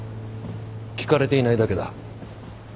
聞かれていないだけだ。